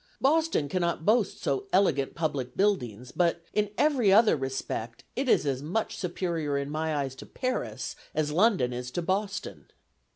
... Boston cannot boast so elegant public buildings; but, in every other respect, it is as much superior in my eyes to Paris, as London is to Boston."